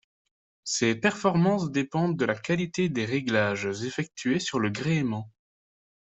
Ses performances dépendent de la qualité des réglages effectués sur le gréement.